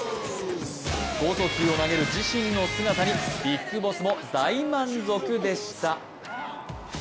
剛速球を投げる自身の姿にビッグボスも大満足でした。